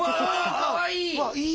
かわいい！